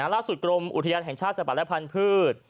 ล่าสุดกรมอุทยานแห่งชาติสัตว์ป่าและพันธุ์พืช